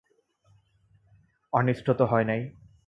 অনিষ্ট তো হয় নাই।